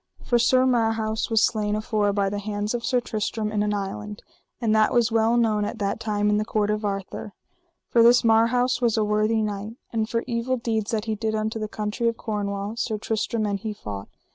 For Sir Marhaus was slain afore by the hands of Sir Tristram in an island; and that was well known at that time in the court of Arthur, for this Marhaus was a worthy knight. And for evil deeds that he did unto the country of Cornwall Sir Tristram and he fought.